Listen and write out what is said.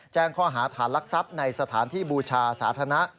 แจ้งข้อหาฐานลักทรัพย์ในสถานที่บูชาสาธารณะ